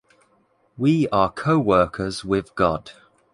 We are co-workers with God.